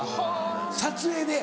撮影で？